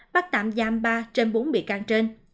bắt tạm giam ba trên bốn bị can